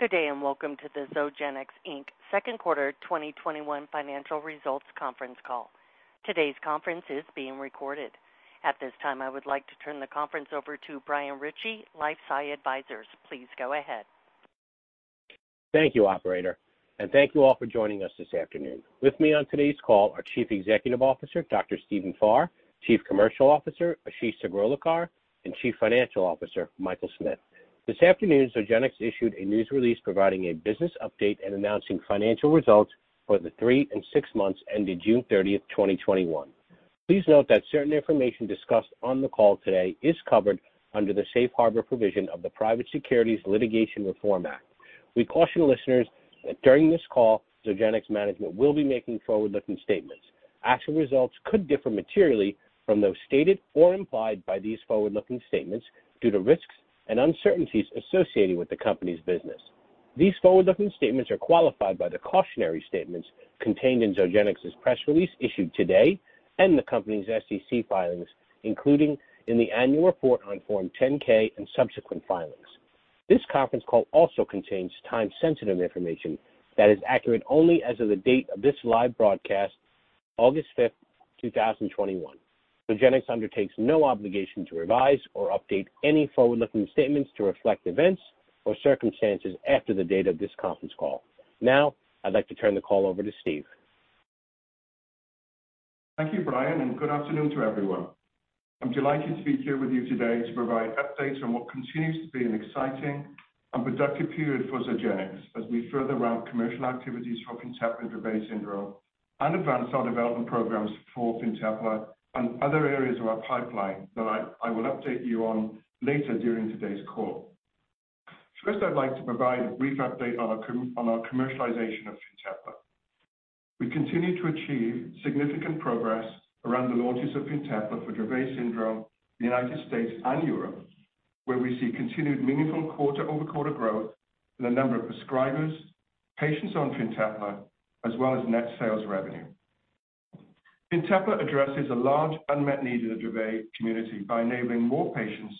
Good day, and welcome to the Zogenix Inc. Second Quarter 2021 Financial Results Conference Call. Today's conference is being recorded. At this time, I would like to turn the conference over to Brian Ritchie, LifeSci Advisors. Please go ahead. Thank you, operator, and thank you all for joining us this afternoon. With me on today's call are Chief Executive Officer, Stephen Farr, Chief Commercial Officer, Ashish Sagrolikar, and Chief Financial Officer, Michael Smith. This afternoon, Zogenix issued a news release providing a business update and announcing financial results for the three and six months ended June 30th, 2021. Please note that certain information discussed on the call today is covered under the Safe Harbor provision of the Private Securities Litigation Reform Act. We caution listeners that during this call, Zogenix management will be making forward-looking statements. Actual results could differ materially from those stated or implied by these forward-looking statements due to risks and uncertainties associated with the company's business. These forward-looking statements are qualified by the cautionary statements contained in Zogenix's press release issued today and the company's SEC filings, including in the annual report on Form 10-K and subsequent filings. This conference call also contains time-sensitive information that is accurate only as of the date of this live broadcast, August 5th, 2021. Zogenix undertakes no obligation to revise or update any forward-looking statements to reflect events or circumstances after the date of this conference call. Now, I'd like to turn the call over to Stephen. Thank you, Brian. Good afternoon to everyone. I'm delighted to be here with you today to provide updates on what continues to be an exciting and productive period for Zogenix as we further ramp commercial activities for FINTEPLA Dravet syndrome and advance our development programs for FINTEPLA and other areas of our pipeline that I will update you on later during today's call. First, I'd like to provide a brief update on our commercialization of FINTEPLA. We continue to achieve significant progress around the launches of FINTEPLA for Dravet syndrome in the United States and Europe, where we see continued meaningful quarter-over-quarter growth in the number of prescribers, patients on FINTEPLA, as well as net sales revenue. FINTEPLA addresses a large unmet need in the Dravet community by enabling more patients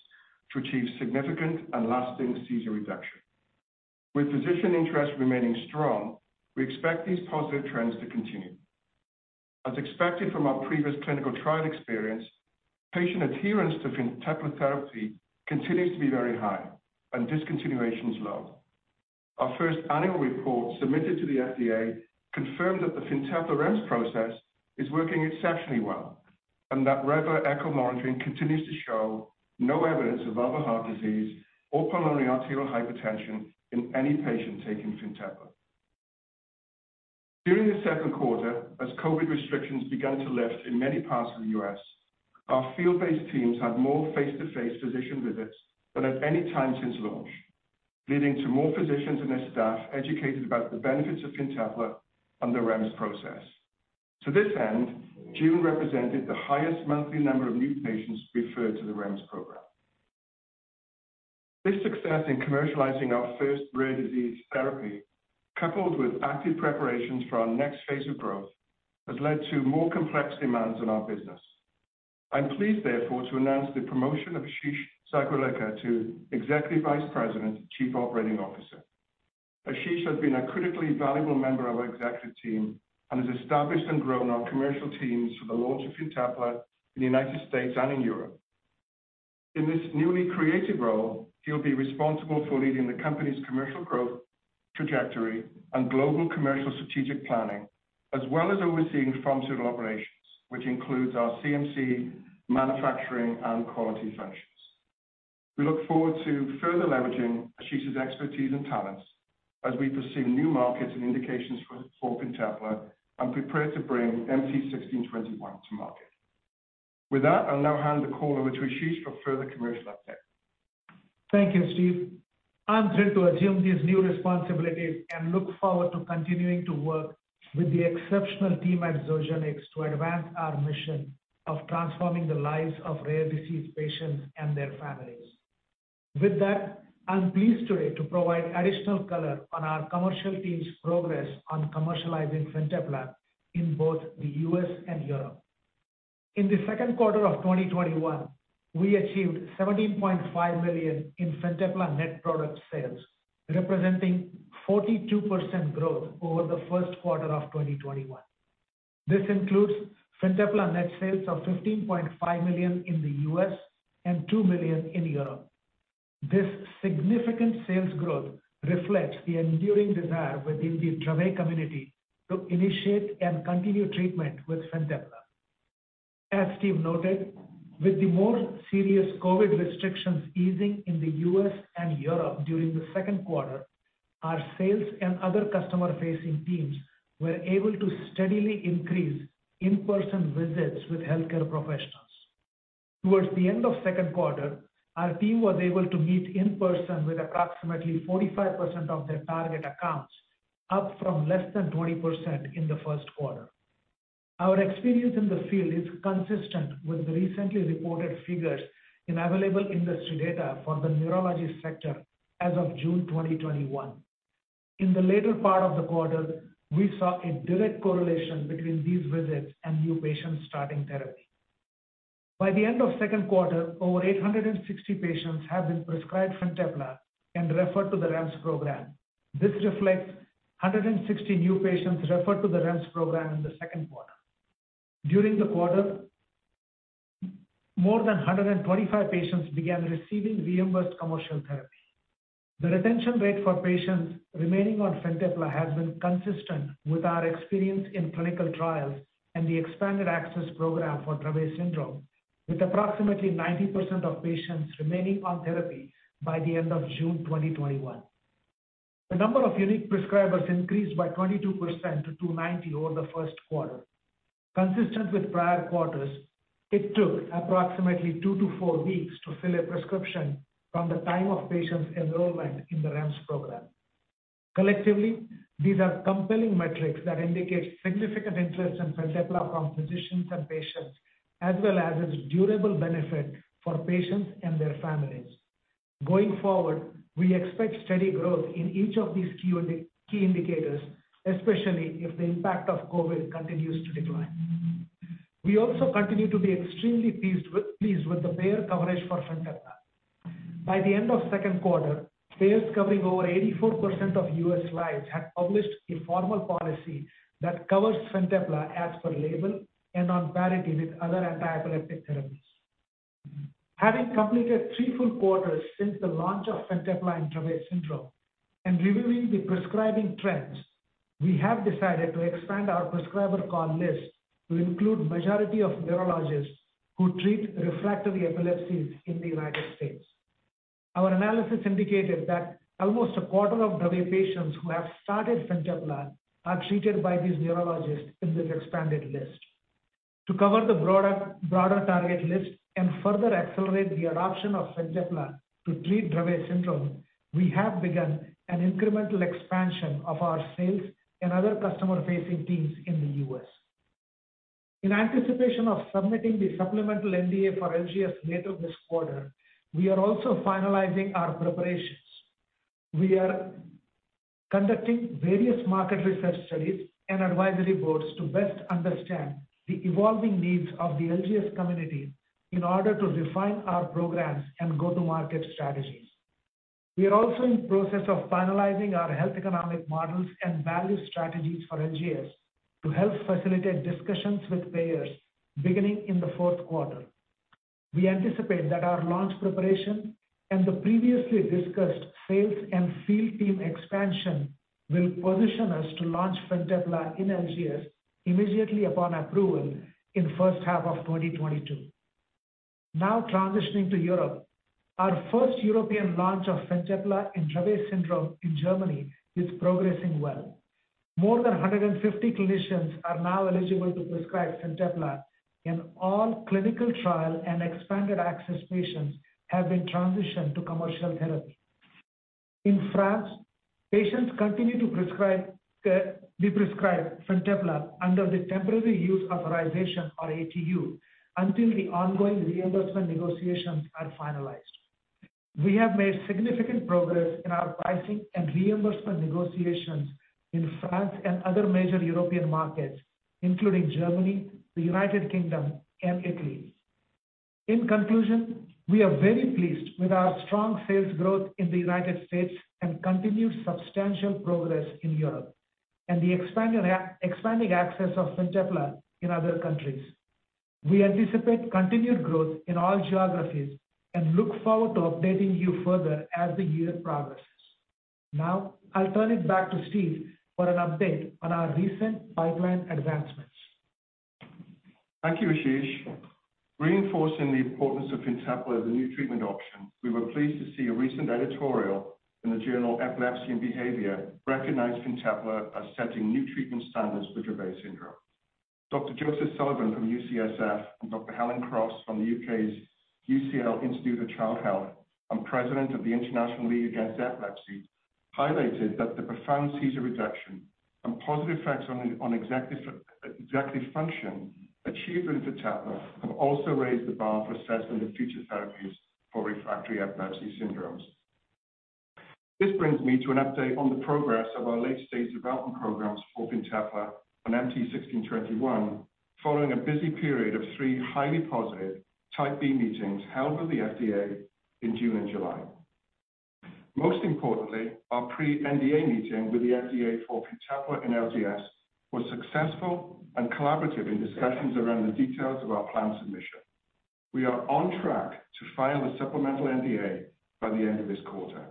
to achieve significant and lasting seizure reduction. With physician interest remaining strong, we expect these positive trends to continue. As expected from our previous clinical trial experience, patient adherence to FINTEPLA therapy continues to be very high and discontinuations low. Our first annual report submitted to the FDA confirmed that the FINTEPLA REMS process is working exceptionally well and that echo monitoring continues to show no evidence of other heart disease or pulmonary arterial hypertension in any patient taking FINTEPLA. During the second quarter, as COVID restrictions began to lift in many parts of the U.S., our field-based teams had more face-to-face physician visits than at any time since launch, leading to more physicians and their staff educated about the benefits of FINTEPLA and the REMS process. To this end, June represented the highest monthly number of new patients referred to the REMS program. This success in commercializing our first rare disease therapy, coupled with active preparations for our next phase of growth, has led to more complex demands on our business. I'm pleased, therefore, to announce the promotion of Ashish Sagrolikar to Executive Vice President, Chief Operating Officer. Ashish has been a critically valuable member of our executive team and has established and grown our commercial teams for the launch of FINTEPLA in the U.S. and in Europe. In this newly created role, he'll be responsible for leading the company's commercial growth trajectory and global commercial strategic planning, as well as overseeing pharmaceutical operations, which includes our CMC, manufacturing, and quality functions. We look forward to further leveraging Ashish's expertise and talents as we pursue new markets and indications for FINTEPLA and prepare to bring MT1621 to market. With that, I'll now hand the call over to Ashish for further commercial updates. Thank you, Stephen. I'm thrilled to assume these new responsibilities and look forward to continuing to work with the exceptional team at Zogenix to advance our mission of transforming the lives of rare disease patients and their families. With that, I'm pleased today to provide additional color on our commercial team's progress on commercializing FINTEPLA in both the U.S. and Europe. In the second quarter of 2021, we achieved $17.5 million in FINTEPLA net product sales, representing 42% growth over the first quarter of 2021. This includes FINTEPLA net sales of $15.5 million in the U.S. and $2 million in Europe. This significant sales growth reflects the enduring desire within the Dravet community to initiate and continue treatment with FINTEPLA. As Stephen noted, with the more serious COVID restrictions easing in the U.S. and Europe during the second quarter, our sales and other customer-facing teams were able to steadily increase in-person visits with healthcare professionals. Towards the end of second quarter, our team was able to meet in person with approximately 45% of their target accounts, up from less than 20% in the first quarter. Our experience in the field is consistent with the recently reported figures in available industry data for the neurology sector as of June 2021. In the latter part of the quarter, we saw a direct correlation between these visits and new patients starting therapy. By the end of second quarter, over 860 patients have been prescribed FINTEPLA and referred to the REMS program. This reflects 160 new patients referred to the REMS program in the second quarter. During the quarter, more than 125 patients began receiving reimbursed commercial therapy. The retention rate for patients remaining on FINTEPLA has been consistent with our experience in clinical trials and the expanded access program for Dravet syndrome, with approximately 90% of patients remaining on therapy by the end of June 2021. The number of unique prescribers increased by 22% to 290 over the first quarter. Consistent with prior quarters, it took approximately two to four weeks to fill a prescription from the time of patient's enrollment in the REMS program. Collectively, these are compelling metrics that indicate significant interest in FINTEPLA from physicians and patients, as well as its durable benefit for patients and their families. Going forward, we expect steady growth in each of these key indicators, especially if the impact of COVID continues to decline. We also continue to be extremely pleased with the payer coverage for FINTEPLA. By the end of second quarter, payers covering over 84% of U.S. lives had published a formal policy that covers FINTEPLA as per label and on parity with other antiepileptic therapies. Having completed three full quarters since the launch of FINTEPLA in Dravet syndrome and reviewing the prescribing trends, we have decided to expand our prescriber call list to include majority of neurologists who treat refractory epilepsies in the United States. Our analysis indicated that almost a quarter of Dravet patients who have started FINTEPLA are treated by these neurologists in this expanded list. To cover the broader target list and further accelerate the adoption of FINTEPLA to treat Dravet syndrome, we have begun an incremental expansion of our sales and other customer-facing teams in the U.S. In anticipation of submitting the supplemental NDA for LGS later this quarter, we are also finalizing our preparations. We are conducting various market research studies and advisory boards to best understand the evolving needs of the LGS community in order to refine our programs and go-to-market strategies. We are also in the process of finalizing our health economic models and value strategies for LGS to help facilitate discussions with payers beginning in the fourth quarter. We anticipate that our launch preparation and the previously discussed sales and field team expansion will position us to launch FINTEPLA in LGS immediately upon approval in first half of 2022. Transitioning to Europe. Our first European launch of FINTEPLA in Dravet syndrome in Germany is progressing well. More than 150 clinicians are now eligible to prescribe FINTEPLA, and all clinical trial and expanded access patients have been transitioned to commercial therapy. In France, patients continue to be prescribed FINTEPLA under the temporary use authorization or ATU until the ongoing reimbursement negotiations are finalized. We have made significant progress in our pricing and reimbursement negotiations in France and other major European markets, including Germany, the United Kingdom, and Italy. In conclusion, we are very pleased with our strong sales growth in the United States and continued substantial progress in Europe and the expanding access of FINTEPLA in other countries. We anticipate continued growth in all geographies and look forward to updating you further as the year progresses. Now, I'll turn it back to Stephen for an update on our recent pipeline advancements. Thank you, Ashish. Reinforcing the importance of FINTEPLA as a new treatment option, we were pleased to see a recent editorial in the journal Epilepsy & Behavior recognize FINTEPLA as setting new treatment standards for Dravet syndrome. Dr. Joseph Sullivan from UCSF and Dr. Helen Cross from the U.K.'s UCL Great Ormond Street Institute of Child Health and president of the International League Against Epilepsy highlighted that the profound seizure reduction and positive effects on executive function achieved with FINTEPLA have also raised the bar for assessing the future therapies for refractory epilepsy syndromes. This brings me to an update on the progress of our late-stage development programs for FINTEPLA and MT1621, following a busy period of three highly positive Type B meetings held with the FDA in June and July. Most importantly, our pre-NDA meeting with the FDA for FINTEPLA and LGS was successful and collaborative in discussions around the details of our plan submission. We are on track to file the supplemental NDA by the end of this quarter.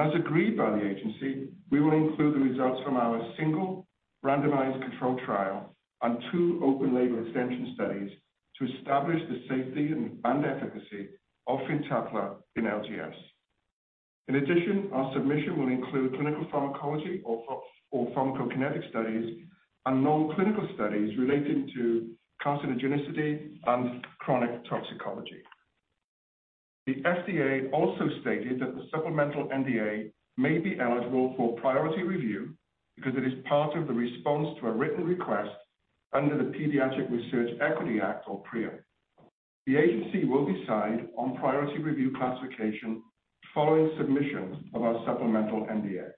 As agreed by the agency, we will include the results from our single randomized controlled trial on two open-label extension studies to establish the safety and efficacy of FINTEPLA in LGS. In addition, our submission will include clinical pharmacology or pharmacokinetic studies and non-clinical studies relating to carcinogenicity and chronic toxicology. The FDA also stated that the supplemental NDA may be eligible for priority review because it is part of the response to a written request under the Pediatric Research Equity Act or PREA. The agency will decide on priority review classification following submission of our supplemental NDA.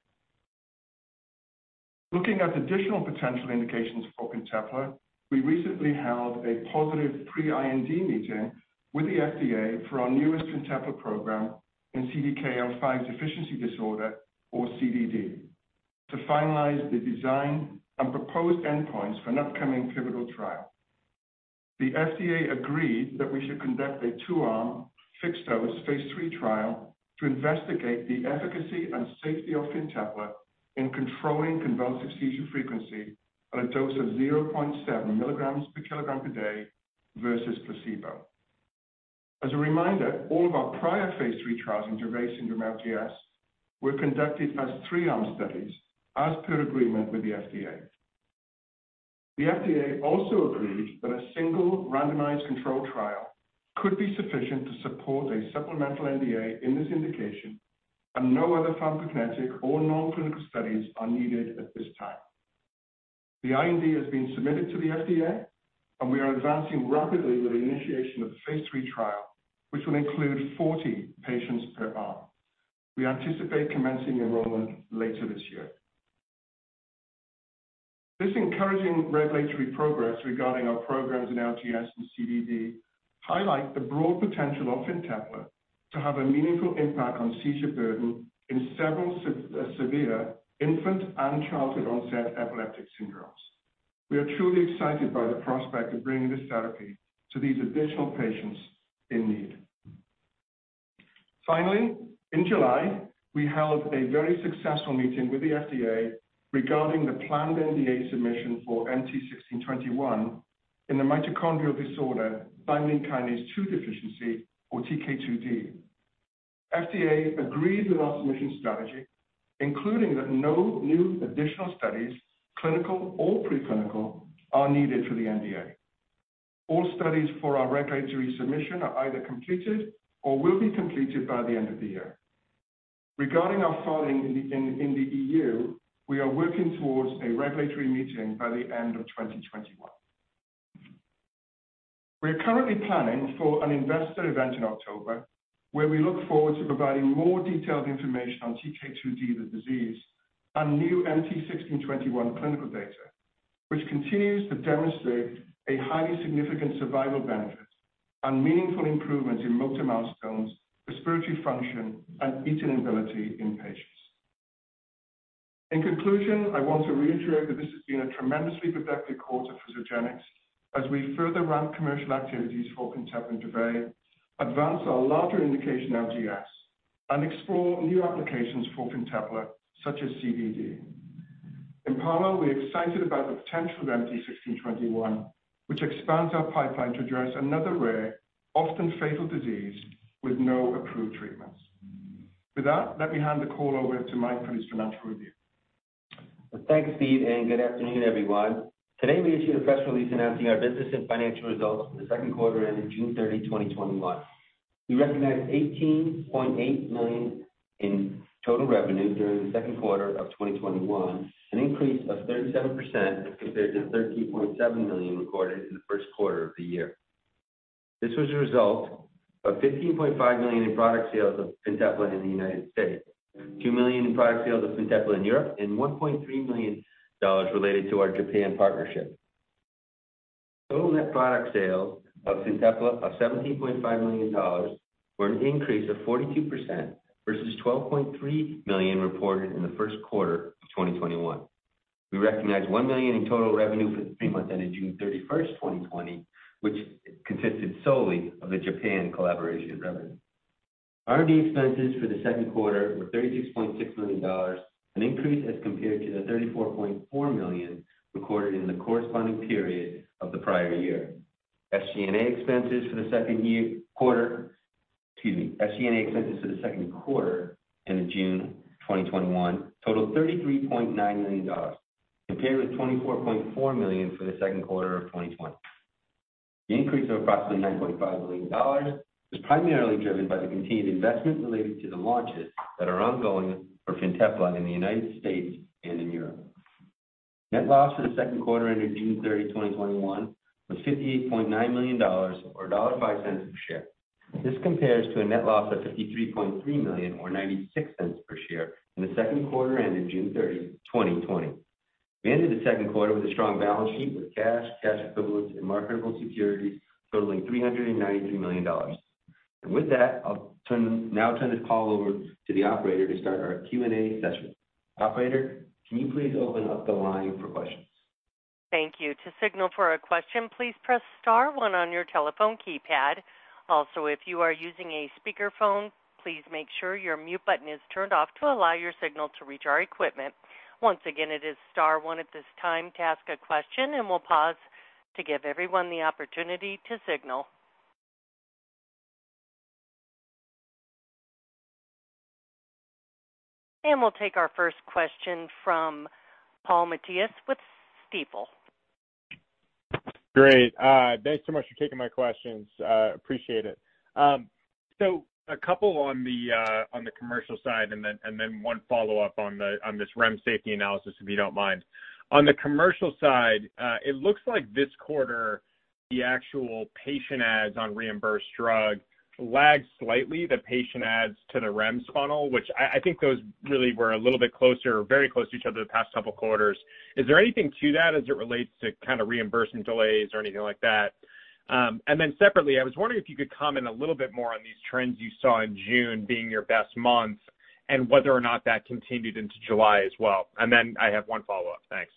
Looking at additional potential indications for FINTEPLA, we recently held a positive pre-IND meeting with the FDA for our newest FINTEPLA program in CDKL5 deficiency disorder, or CDD, to finalize the design and proposed endpoints for an upcoming pivotal trial. The FDA agreed that we should conduct a 2-arm, fixed-dose phase III trial to investigate the efficacy and safety of FINTEPLA in controlling convulsive seizure frequency at a dose of 0.7 milligrams per kilogram per day versus placebo. As a reminder, all of our prior phase III trials in Dravet syndrome, LGS, were conducted as 3-arm studies as per agreement with the FDA. The FDA also agreed that a single randomized control trial could be sufficient to support a supplemental NDA in this indication. No other pharmacokinetic or non-clinical studies are needed at this time. The IND has been submitted to the FDA, and we are advancing rapidly with the initiation of the phase III trial, which will include 40 patients per arm. We anticipate commencing enrollment later this year. This encouraging regulatory progress regarding our programs in LGS and CDD highlight the broad potential of FINTEPLA to have a meaningful impact on seizure burden in several severe infant and childhood-onset epileptic syndromes. We are truly excited by the prospect of bringing this therapy to these additional patients in need. Finally, in July, we held a very successful meeting with the FDA regarding the planned NDA submission for MT1621 in the mitochondrial disorder thymidine kinase 2 deficiency, or TK2d. FDA agreed with our submission strategy, including that no new additional studies, clinical or pre-clinical, are needed for the NDA. All studies for our regulatory submission are either completed or will be completed by the end of the year. Regarding our filing in the EU, we are working towards a regulatory meeting by the end of 2021. We are currently planning for an investor event in October where we look forward to providing more detailed information on TK2d, the disease, and new MT1621 clinical data, which continues to demonstrate a highly significant survival benefit and meaningful improvements in motor milestones, respiratory function, and eating ability in patients. In conclusion, I want to reiterate that this has been a tremendously productive quarter for Zogenix as we further ramp commercial activities for FINTEPLA and Dravet, advance our larger indication LGS, and explore new applications for FINTEPLA, such as CDD. In parallel, we're excited about the potential of MT1621, which expands our pipeline to address another rare, often fatal disease with no approved treatments. With that, let me hand the call over to Michael for his financial review. Thanks, Stephen, and good afternoon, everyone. Today, we issued a press release announcing our business and financial results for the second quarter ending June 30, 2021. We recognized $18.8 million in total revenue during the second quarter of 2021, an increase of 37% compared to $13.7 million recorded in the first quarter of the year. This was a result of $15.5 million in product sales of FINTEPLA in the U.S., $2 million in product sales of FINTEPLA in Europe, and $1.3 million related to our Japan partnership. Total net product sales of FINTEPLA of $17.5 million were an increase of 42% versus $12.3 million reported in the first quarter of 2021. We recognized $1 million in total revenue for the three months ending June 30th, 2020, which consisted solely of the Japan collaboration revenue. R&D expenses for the second quarter were $36.6 million, an increase as compared to the $34.4 million recorded in the corresponding period of the prior year. SG&A expenses for the second quarter ending June 2021 totaled $33.9 million, compared with $24.4 million for the second quarter of 2020. The increase of approximately $9.5 million was primarily driven by the continued investment related to the launches that are ongoing for FINTEPLA in the U.S. and in Europe. Net loss for the second quarter ended June 30, 2021 was $58.9 million, or $1.05 per share. This compares to a net loss of $53.3 million, or $0.96 per share in the second quarter ending June 30, 2020. We ended the second quarter with a strong balance sheet with cash equivalents, and marketable securities totaling $393 million. With that, I'll now turn this call over to the operator to start our Q&A session. Operator, can you please open up the line for questions? Thank you. To signal for a question, please press star one on your telephone keypad. Also, if you are using a speakerphone, please make sure your mute button is turned off to allow your signal to reach our equipment. Once again, it is star one at this time to ask a question, and we'll pause to give everyone the opportunity to signal. We'll take our first question from Paul Matteis with Stifel. Great. Thanks so much for taking my questions. Appreciate it. A couple on the commercial side and then one follow-up on this REMS safety analysis, if you don't mind. On the commercial side, it looks like this quarter, the actual patient adds on reimbursed drug lags slightly. The patient adds to the REMS funnel, which I think those really were a little bit closer or very close to each other the past couple quarters. Is there anything to that as it relates to kind of reimbursement delays or anything like that? Separately, I was wondering if you could comment a little bit more on these trends you saw in June being your best month and whether or not that continued into July as well. I have one follow-up. Thanks.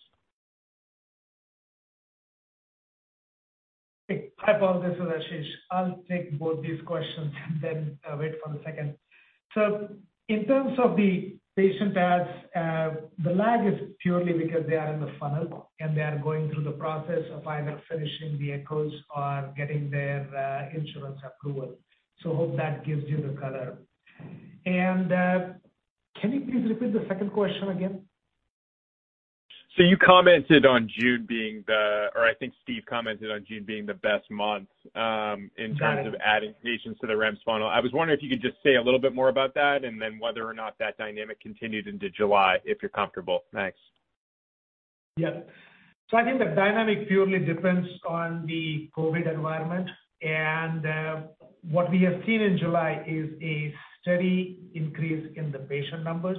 Hi, Paul. This is Ashish. I'll take both these questions and then wait for a second. In terms of the patient adds, the lag is purely because they are in the funnel and they are going through the process of either finishing the echoes or getting their insurance approval. Hope that gives you the color. Can you please repeat the second question again? You commented on June being, or I think Stephen commented on June being the best month. Right In terms of adding patients to the REMS funnel, I was wondering if you could just say a little bit more about that and then whether or not that dynamic continued into July, if you're comfortable? Thanks. Yeah. I think the dynamic purely depends on the COVID environment. What we have seen in July is a steady increase in the patient numbers.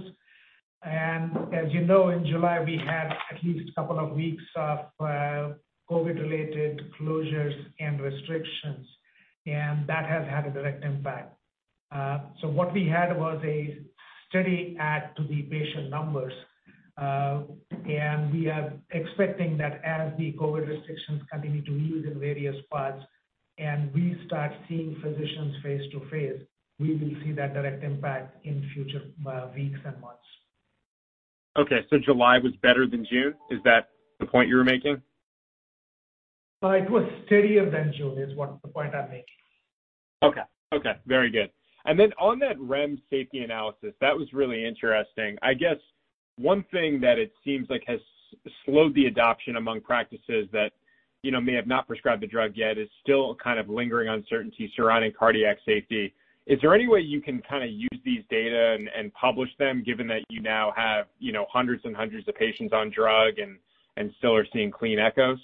As you know, in July, we had at least a couple of weeks of COVID-related closures and restrictions, and that has had a direct impact. What we had was a steady add to the patient numbers. We are expecting that as the COVID restrictions continue to ease in various parts and we start seeing physicians face-to-face, we will see that direct impact in future weeks and months. Okay. July was better than June. Is that the point you were making? It was steadier than June, is what the point I'm making. Okay. Very good. On that REMS safety analysis, that was really interesting. I guess one thing that it seems like has slowed the adoption among practices that may have not prescribed the drug yet is still kind of lingering uncertainty surrounding cardiac safety. Is there any way you can use these data and publish them, given that you now have hundreds and hundreds of patients on drug and still are seeing clean echoes?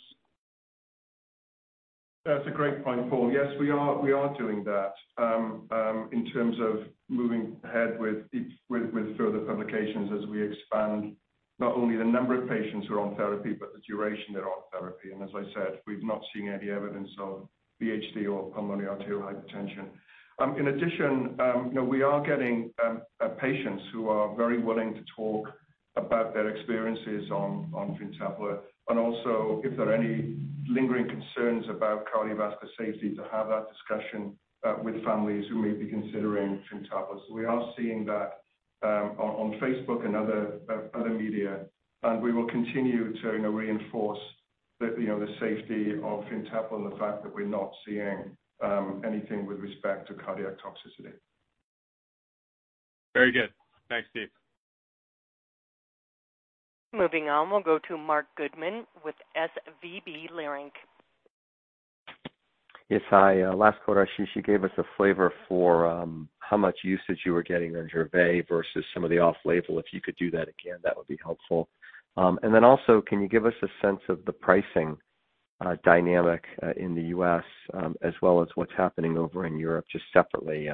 That's a great point, Paul. Yes, we are doing that in terms of moving ahead with further publications as we expand not only the number of patients who are on therapy but the duration they're on therapy. As I said, we've not seen any evidence of VHD or pulmonary arterial hypertension. In addition, we are getting patients who are very willing to talk about their experiences on FINTEPLA and also if there are any lingering concerns about cardiovascular safety, to have that discussion with families who may be considering FINTEPLA. We are seeing that on Facebook and other media, and we will continue to reinforce the safety of FINTEPLA and the fact that we're not seeing anything with respect to cardiac toxicity. Very good. Thanks, Stephen. Moving on, we'll go to Marc Goodman with SVB Leerink. Yes, hi. Last quarter, Ashish, you gave us a flavor for how much usage you were getting on Dravet versus some of the off-label. If you could do that again, that would be helpful. Also, can you give us a sense of the pricing dynamic in the U.S., as well as what's happening over in Europe, just separately?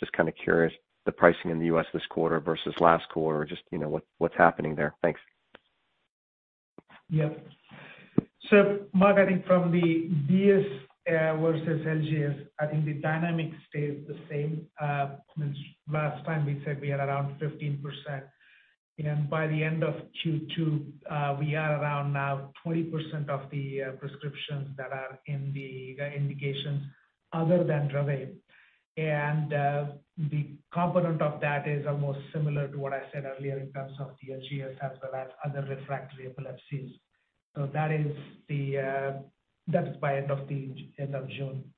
Just kind of curious the pricing in the U.S. this quarter versus last quarter, just what's happening there. Thanks. Yep. Marc, I think from the DS versus LGS, I think the dynamic stays the same. Since last time we said we are around 15%. By the end of Q2, we are around now 20% of the prescriptions that are in the indications other than Dravet. The component of that is almost similar to what I said earlier in terms of the LGS as well as other refractory epilepsies. That is by end of June.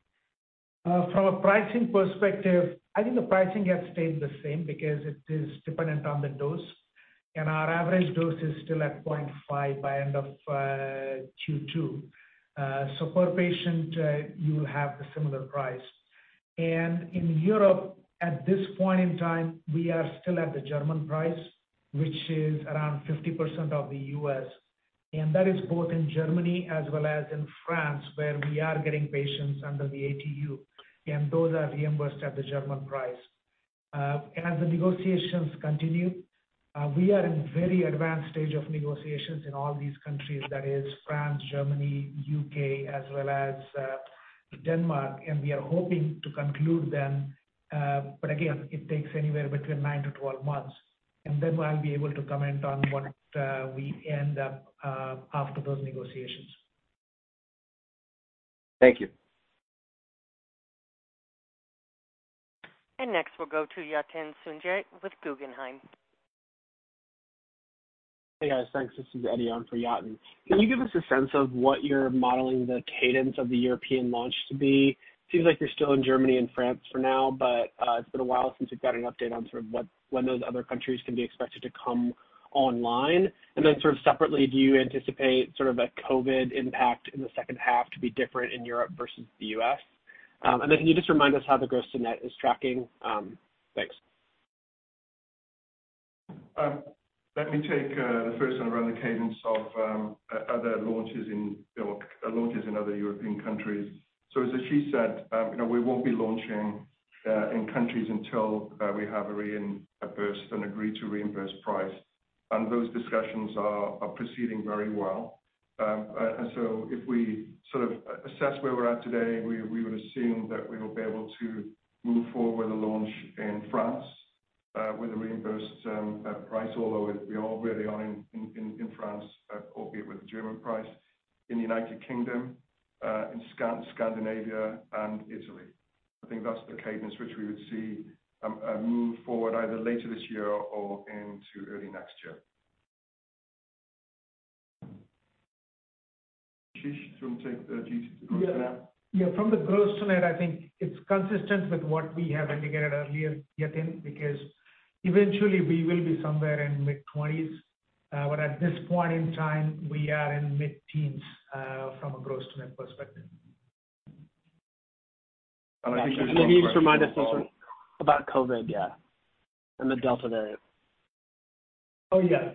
From a pricing perspective, I think the pricing has stayed the same because it is dependent on the dose. Our average dose is still at 0.5 by end of Q2. Per patient, you will have a similar price. In Europe at this point in time, we are still at the German price, which is around 50% of the U.S. That is both in Germany as well as in France, where we are getting patients under the ATU. Those are reimbursed at the German price. As the negotiations continue, we are in very advanced stage of negotiations in all these countries, that is France, Germany, U.K. as well as Denmark and we are hoping to conclude them. Again, it takes anywhere between 9-12 months. Then I'll be able to comment on what we end up after those negotiations. Thank you. Next we'll go to Yatin Suneja with Guggenheim. Hey guys, thanks. This is Eddie on for Yatin. Can you give us a sense of what you're modeling the cadence of the European launch to be? Seems like you're still in Germany and France for now, but it's been a while since we've got an update on sort of when those other countries can be expected to come online. Sort of separately, do you anticipate sort of a COVID impact in the second half to be different in Europe versus the U.S.? Can you just remind us how the gross to net is tracking? Thanks. Let me take the first one around the cadence of other launches in other European countries. As Ashish said, we won't be launching in countries until we have a reimbursed and agreed to reimbursed price. If we sort of assess where we're at today, we would assume that we will be able to move forward with a launch in France with a reimbursed price, although we already are in France, albeit with a German price. In the United Kingdom, in Scandinavia, and Italy. I think that's the cadence which we would see move forward either later this year or into early next year. Ashish, do you want to take the gross to net? Yeah. From the gross to net, I think it's consistent with what we have indicated earlier, Yatin, because eventually we will be somewhere in mid-20s. At this point in time, we are in mid-teens from a gross to net perspective. I think there's another question. Maybe just remind us about COVID, yeah, and the Delta variant. Oh, yeah.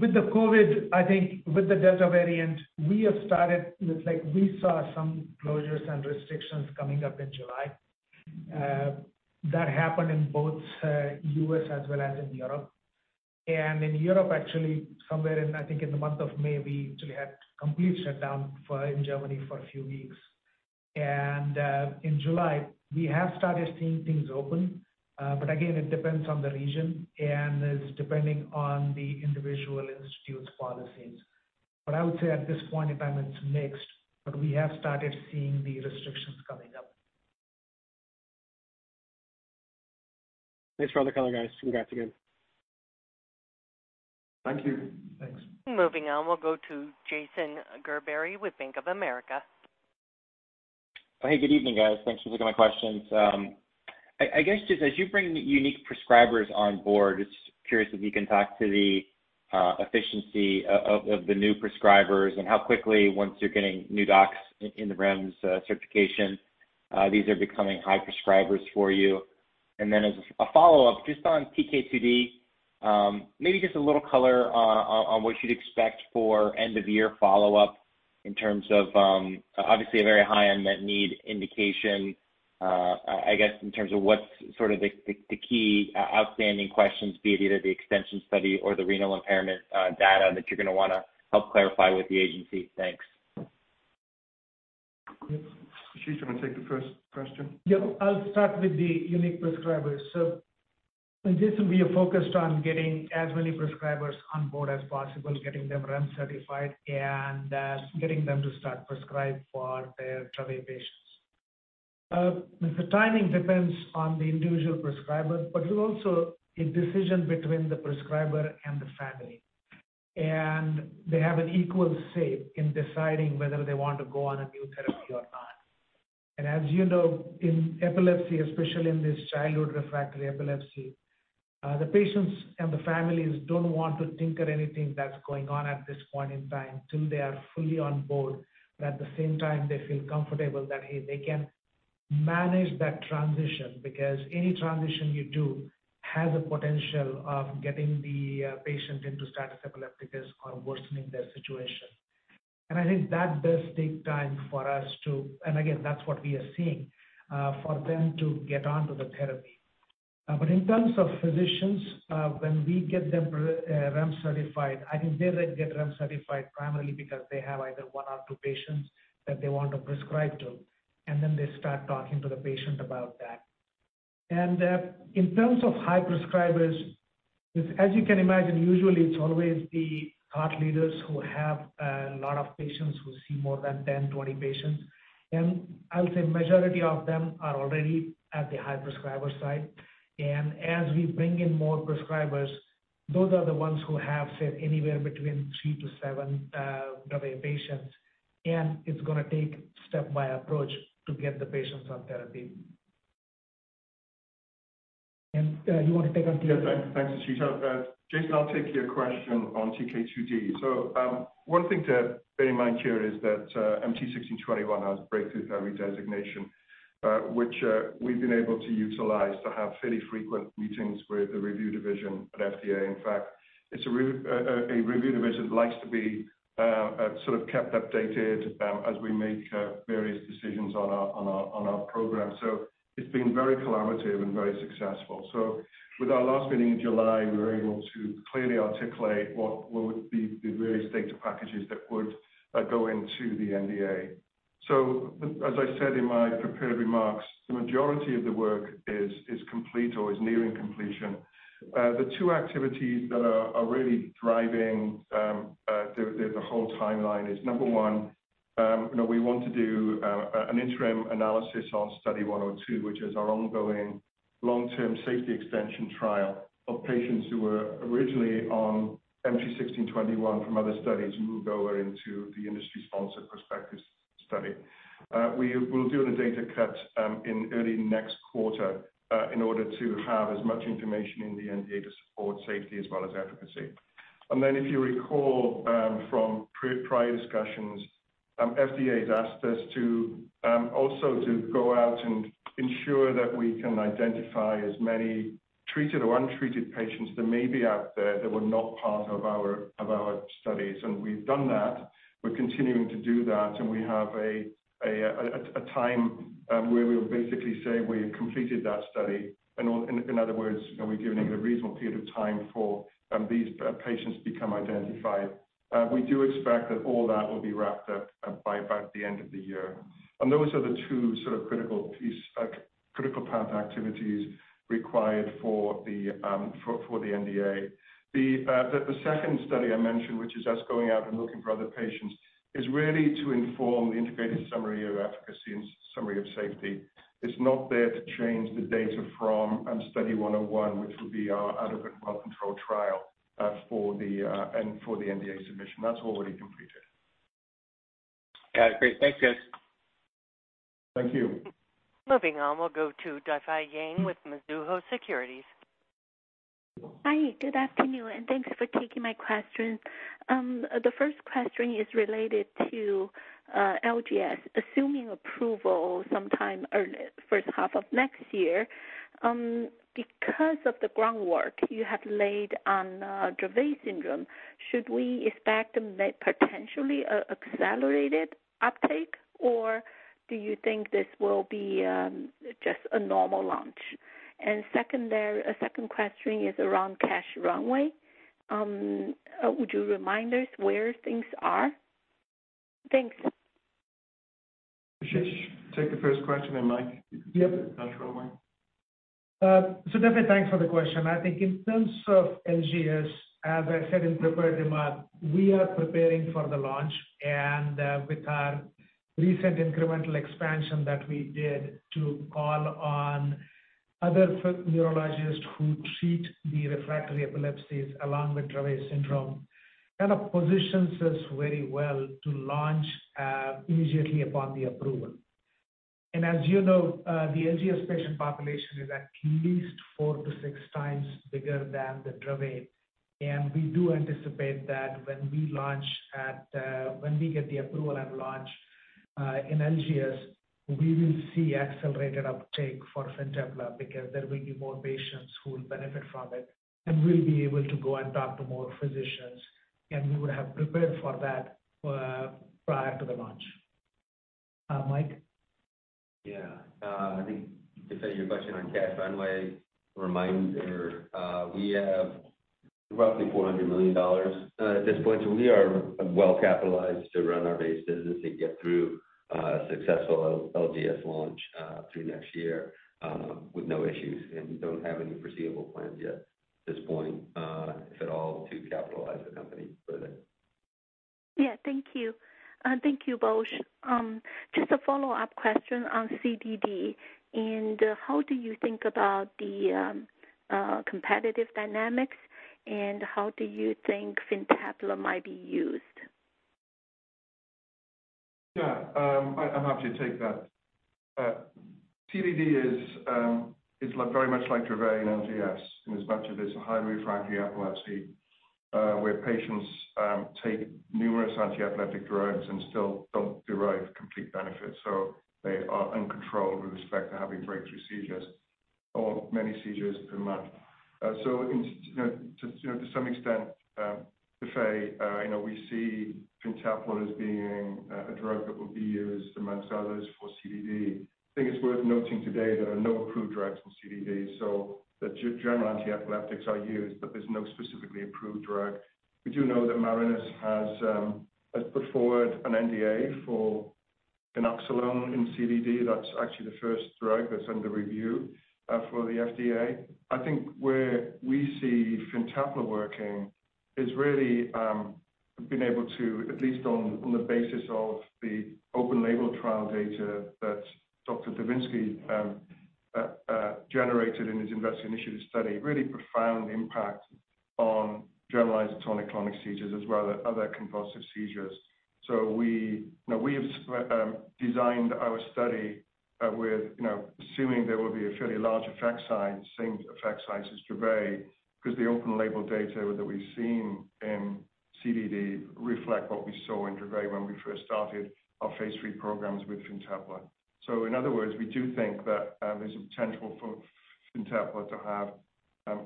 With the COVID, I think with the Delta variant, we have started with, we saw some closures and restrictions coming up in July. That happened in both U.S. as well as in Europe. In Europe, actually, somewhere I think in the month of May, we actually had complete shutdown in Germany for a few weeks. In July, we have started seeing things open. Again, it depends on the region and is depending on the individual institute's policies. I would say at this point in time, it's mixed, but we have started seeing the restrictions coming up. Thanks for all the color, guys. Congrats again. Thank you. Thanks. Moving on, we'll go to Jason Gerberry with Bank of America. Hey, good evening, guys. Thanks for taking my questions. I guess just as you bring unique prescribers on board, just curious if you can talk to the efficiency of the new prescribers and how quickly once you're getting new docs in the REMS certification, these are becoming high prescribers for you. Then as a follow-up just on TK2d, maybe just a little color on what you'd expect for end of year follow-up in terms of, obviously a very high unmet need indication. I guess in terms of what's sort of the key outstanding questions, be it either the extension study or the renal impairment data that you're going to want to help clarify with the agency. Thanks. Ashish, do you want to take the first question? Yeah. I'll start with the unique prescribers. In this, we are focused on getting as many prescribers on board as possible, getting them REMS certified and getting them to start prescribe for their Dravet patients. The timing depends on the individual prescriber, it's also a decision between the prescriber and the family. They have an equal say in deciding whether they want to go on a new therapy or not. As you know, in epilepsy, especially in this childhood refractory epilepsy, the patients and the families don't want to tinker anything that's going on at this point in time till they are fully on board. At the same time, they feel comfortable that, hey, they can manage that transition because any transition you do has a potential of getting the patient into status epilepticus or worsening their situation. I think that does take time for us to And again, that's what we are seeing, for them to get onto the therapy. In terms of physicians, when we get them REMS certified, I think they get REMS certified primarily because they have either one or two patients that they want to prescribe to, and then they start talking to the patient about that. In terms of high prescribers, as you can imagine, usually it's always the thought leaders who have a lot of patients, who see more than 10, 20 patients. I would say majority of them are already at the high prescriber side. As we bring in more prescribers, those are the ones who have, say, anywhere between 3-7 Dravet patients. It's going to take step-by approach to get the patients on therapy. Do you want to take on TK2d? Thanks, Ashish. Jason, I'll take your question on TK2d. One thing to bear in mind here is that MT1621 has breakthrough therapy designation, which we've been able to utilize to have fairly frequent meetings with the review division at FDA. In fact, it's a review division that likes to be sort of kept updated as we make various decisions on our program. It's been very collaborative and very successful. With our last meeting in July, we were able to clearly articulate what would be the various data packages that would go into the NDA. As I said in my prepared remarks, the majority of the work is complete or is nearing completion. The two activities that are really driving the whole timeline is, number one, we want to do an interim analysis on Study 102, which is our ongoing long-term safety extension trial of patients who were originally on MT1621 from other studies moved over into the industry-sponsored prospective study. We will do the data cut in early next quarter in order to have as much information in the NDA to support safety as well as efficacy. Then if you recall from prior discussions, FDA has asked us to also go out and ensure that we can identify as many treated or untreated patients that may be out there that were not part of our studies. We've done that. We're continuing to do that, and we have a time where we'll basically say we have completed that study. In other words, we've given it a reasonable period of time for these patients to become identified. We do expect that all that will be wrapped up by about the end of the year. Those are the two critical path activities required for the NDA. The second study I mentioned, which is us going out and looking for other patients, is really to inform the integrated summary of efficacy and summary of safety. It's not there to change the data from Study 101, which will be our adequate well-controlled trial for the NDA submission. That's already completed. Got it. Great. Thanks, guys. Thank you. Moving on, we'll go to Difei Yang with Mizuho Securities. Hi, good afternoon, and thanks for taking my questions. The first question is related to LGS. Assuming approval sometime first half of next year, because of the groundwork you have laid on Dravet syndrome, should we expect a potentially accelerated uptake, or do you think this will be just a normal launch? Second question is around cash runway. Would you remind us where things are? Thanks. Ashish, take the first question, and Michael, you can take the cash runway. Difei, thanks for the question. I think in terms of LGS, as I said in prepared remarks, we are preparing for the launch. With our recent incremental expansion that we did to call on other neurologists who treat the refractory epilepsies along with Dravet syndrome, kind of positions us very well to launch immediately upon the approval. As you know, the LGS patient population is at least 4x-6x bigger than the Dravet. We do anticipate that when we get the approval and launch in LGS, we will see accelerated uptake for FINTEPLA because there will be more patients who will benefit from it. We'll be able to go and talk to more physicians, and we would have prepared for that prior to the launch. Michael? Yeah. I think to take your question on cash runway reminder. We have roughly $400 million at this point. We are well capitalized to run our base business and get through a successful LGS launch through next year with no issues. We don't have any foreseeable plans yet at this point, if at all, to capitalize the company further. Yeah, thank you. Thank you both. Just a follow-up question on CDD and how do you think about the competitive dynamics, and how do you think FINTEPLA might be used? Yeah. I'm happy to take that. CDD is very much like Dravet and LGS in as much as it's a highly refractory epilepsy, where patients take numerous antiepileptic drugs and still don't derive complete benefit. They are uncontrolled with respect to having breakthrough seizures or many seizures per month. To some extent, Difei, I know we see FINTEPLA as being a drug that will be used amongst others for CDD. I think it's worth noting today there are no approved drugs for CDD. The general antiepileptics are used, but there's no specifically approved drug. We do know that Marinus Pharmaceuticals has put forward an NDA for ganaxolone in CDD. That's actually the first drug that's under review for the FDA. I think where we see FINTEPLA working is really being able to, at least on the basis of the open label trial data that Dr. Orrin Devinsky generated in his INVEST study, really profound impact on generalized tonic-clonic seizures, as well as other convulsive seizures. We have designed our study with assuming there will be a fairly large effect size, same effect size as Dravet, because the open label data that we've seen in CDD reflect what we saw in Dravet when we first started our phase III programs with FINTEPLA. In other words, we do think that there's a potential for FINTEPLA to have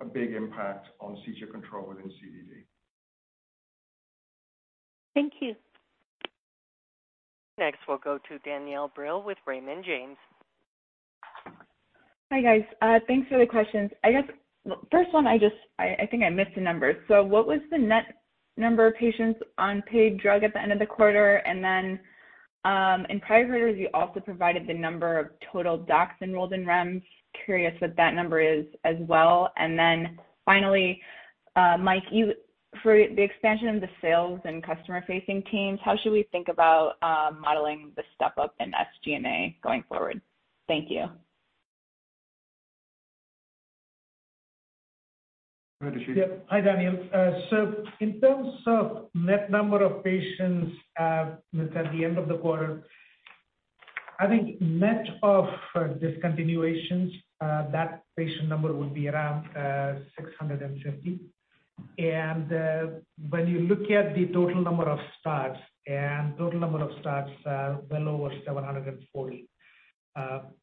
a big impact on seizure control within CDD. Thank you. Next, we'll go to Danielle Brill with Raymond James. Hi, guys. Thanks for the questions. I guess first one, I think I missed the numbers. What was the net number of patients on paid drug at the end of the quarter? In prior quarters, you also provided the number of total docs enrolled in REMS. Curious what that number is as well. Finally, Michael, for the expansion of the sales and customer-facing teams, how should we think about modeling the step-up in SG&A going forward? Thank you. Go ahead, Ashish. Yep. Hi, Danielle. In terms of net number of patients at the end of the quarter. I think net of discontinuations, that patient number would be around 650. When you look at the total number of starts well over 740. As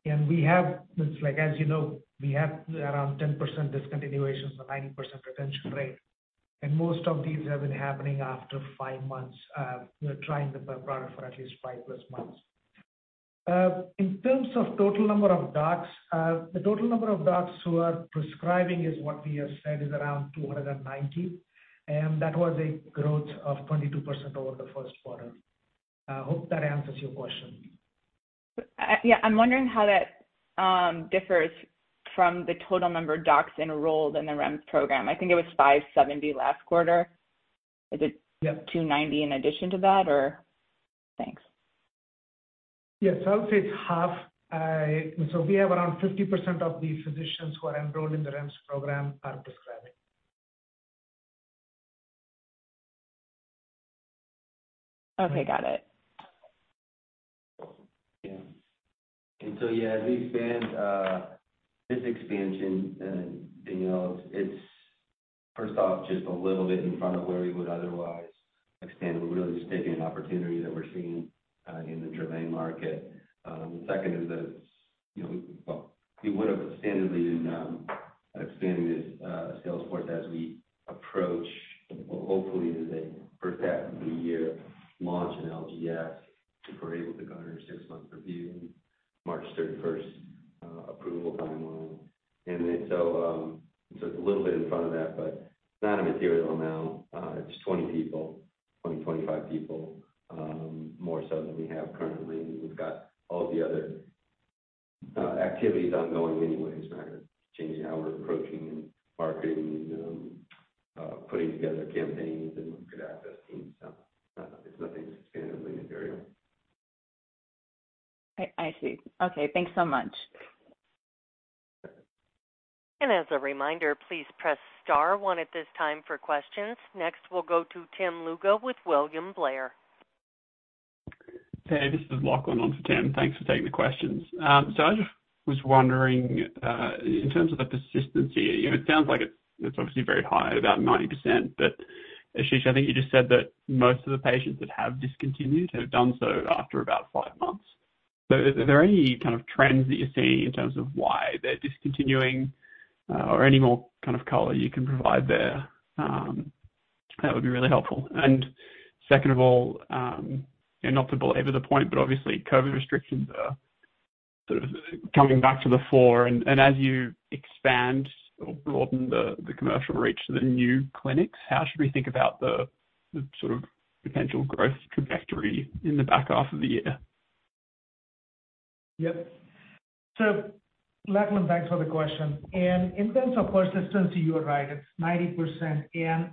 you know, we have around 10% discontinuations, so 90% retention rate. Most of these have been happening after five months. They're trying the product for at least five plus months. In terms of total number of docs, the total number of docs who are prescribing is what we have said is around 290. That was a growth of 22% over the first quarter. I hope that answers your question. Yeah. I'm wondering how that differs from the total number of docs enrolled in the REMS program. I think it was 570 last quarter. Yep. Is it 290 in addition to that or? Thanks. Yes. I'll say it's half. We have around 50% of the physicians who are enrolled in the REMS program are prescribing. Okay, got it. Yeah, this expansion, Danielle, it's first off just a little bit in front of where we would otherwise expand. We're really just taking an opportunity that we're seeing in the Dravet market. The second is that Are there any kind of trends that you're seeing in terms of why they're discontinuing, or any more kind of color you can provide there? That would be really helpful. Second of all, and not to belabor the point, but obviously COVID restrictions are sort of coming back to the fore. As you expand or broaden the commercial reach to the new clinics, how should we think about the sort of potential growth trajectory in the back half of the year? Lachlan, thanks for the question. In terms of persistency, you are right, it's 90%, and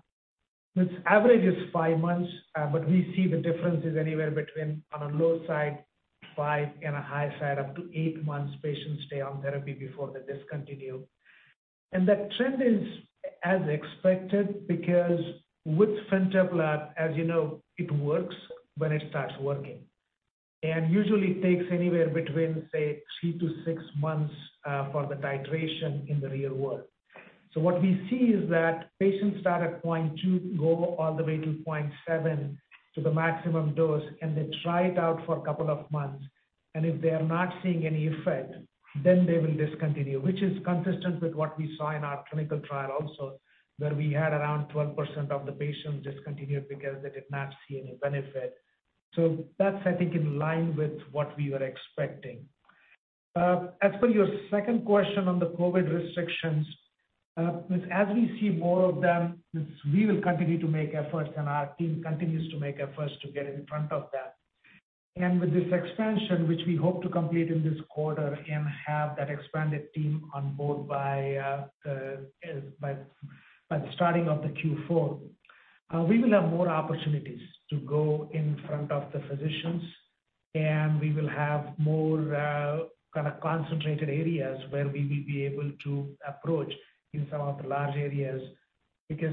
its average is five months. We see the differences anywhere between, on a low side, five and a high side, up to eight months patients stay on therapy before they discontinue. That trend is as expected because with FINTEPLA, as you know, it works when it starts working. Usually it takes anywhere between, say, three to six months for the titration in the real world. What we see is that patients start at 0.2 mg, go all the way to 0.7 mg to the maximum dose, and they try it out for a couple of months. If they are not seeing any effect, then they will discontinue, which is consistent with what we saw in our clinical trial also, where we had around 12% of the patients discontinued because they did not see any benefit. That's, I think, in line with what we were expecting. As for your second question on the COVID restrictions, as we see more of them, we will continue to make efforts, and our team continues to make efforts to get in front of that. With this expansion, which we hope to complete in this quarter and have that expanded team on board by the starting of the Q4, we will have more opportunities to go in front of the physicians, and we will have more kind of concentrated areas where we will be able to approach in some of the large areas.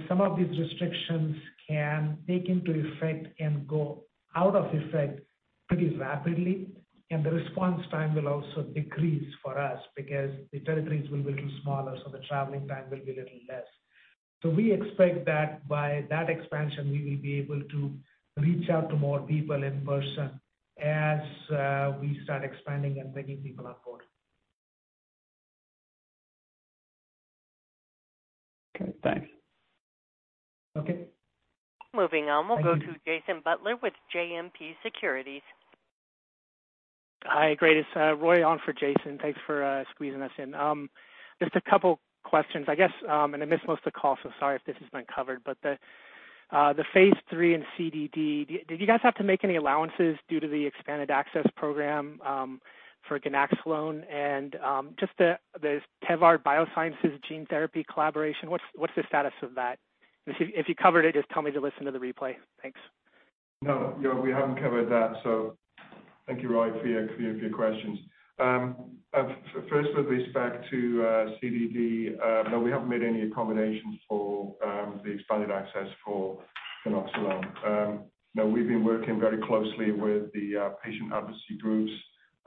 Some of these restrictions can take into effect and go out of effect pretty rapidly, and the response time will also decrease for us because the territories will be smaller, so the traveling time will be a little less. We expect that by that expansion, we will be able to reach out to more people in person as we start expanding and bringing people on board. Okay, thanks. Okay. Moving on, we'll go to Jason Butler with JMP Securities. Hi, great. It's Roy on for Jason. Thanks for squeezing us in. Just a couple questions, I guess. I missed most of the call, so sorry if this has been covered, but the phase III and CDD, did you guys have to make any allowances due to the expanded access program for ganaxolone? Just the Tevard Biosciences gene therapy collaboration, what's the status of that? If you covered it, just tell me to listen to the replay. Thanks. No, we haven't covered that. Thank you, Roy, for your questions. First with respect to CDD, no, we haven't made any accommodations for the expanded access for FINTEPLA. No, we've been working very closely with the patient advocacy groups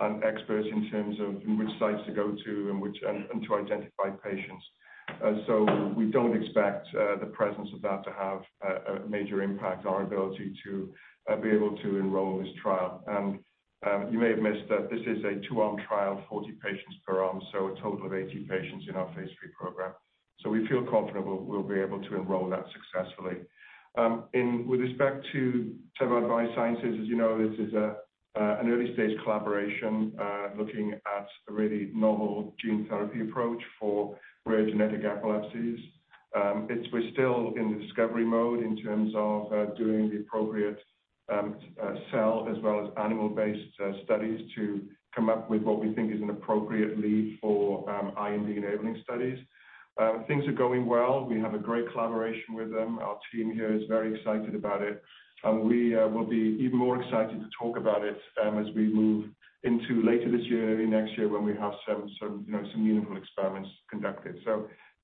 and experts in terms of which sites to go to and to identify patients. We don't expect the presence of that to have a major impact on our ability to be able to enroll in this trial. You may have missed that this is a 2-arm trial, 40 patients per arm, so a total of 80 patients in our phase III program. We feel comfortable we'll be able to enroll that successfully. With respect to Tevard Biosciences, as you know, this is an early-stage collaboration, looking at a really novel gene therapy approach for rare genetic epilepsies. We're still in discovery mode in terms of doing the appropriate cell as well as animal-based studies to come up with what we think is an appropriate lead for IND-enabling studies. Things are going well. We have a great collaboration with them. Our team here is very excited about it. We will be even more excited to talk about it as we move into later this year, early next year when we have some meaningful experiments conducted.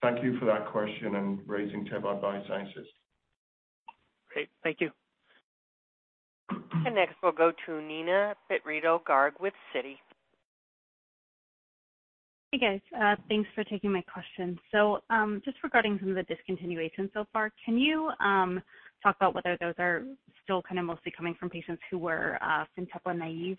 Thank you for that question and raising Tevard Biosciences. Great. Thank you. Next, we'll go to Neena Bitritto-Garg with Citi. Hey, guys. Thanks for taking my question. Just regarding some of the discontinuations so far, can you talk about whether those are still mostly coming from patients who were FINTEPLA naive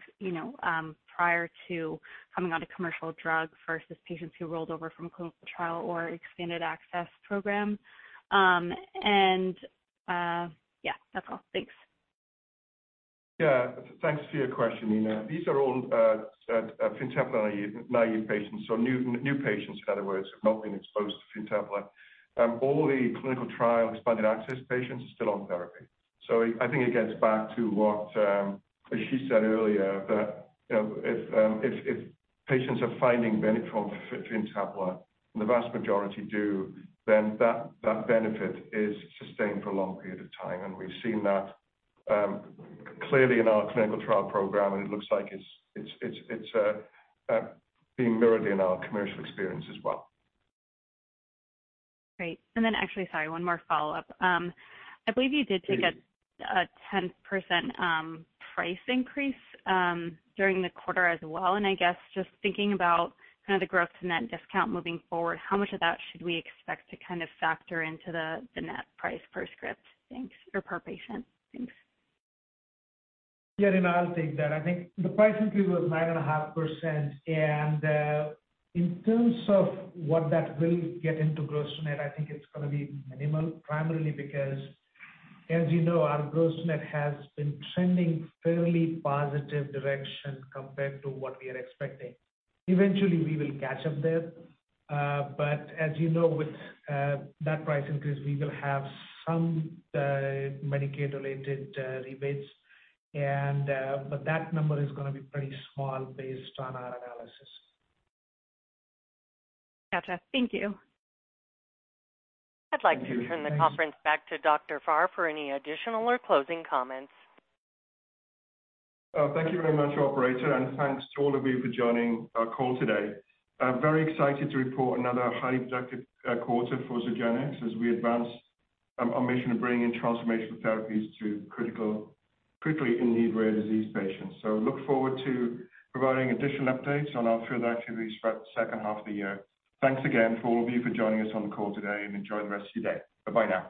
prior to coming on a commercial drug versus patients who rolled over from clinical trial or expanded access program? Yeah, that's all. Thanks. Thanks for your question, Neena. These are all FINTEPLA-naive patients, so new patients, in other words, have not been exposed to FINTEPLA. All the clinical trial expanded access patients are still on therapy. I think it gets back to what Ashish said earlier, that if patients are finding benefit from FINTEPLA, and the vast majority do, then that benefit is sustained for a long period of time. We've seen that clearly in our clinical trial program, and it looks like it's being mirrored in our commercial experience as well. Great. Actually, sorry, one more follow-up. I believe you did take a 10% price increase during the quarter as well, and I guess just thinking about kind of the gross-to-net discount moving forward, how much of that should we expect to factor into the net price per script? Thanks. Or per patient. Thanks. Yeah, Neena, I'll take that. In terms of what that will get into gross-to-net, I think it's going to be minimal, primarily because, as you know, our gross-to-net has been trending fairly positive direction compared to what we are expecting. Eventually, we will catch up there. As you know, with that price increase, we will have some Medicaid-related rebates. That number is going to be pretty small based on our analysis. Gotcha. Thank you. Thank you. I'd like to turn the conference back to Dr. Farr for any additional or closing comments. Thank you very much, operator, and thanks to all of you for joining our call today. I'm very excited to report another highly productive quarter for Zogenix as we advance our mission of bringing transformational therapies to critically in-need rare disease patients. Look forward to providing additional updates on our field activities throughout the second half of the year. Thanks again to all of you for joining us on the call today, and enjoy the rest of your day. Bye now.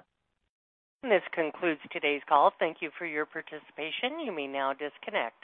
This concludes today's call. Thank you for your participation. You may now disconnect.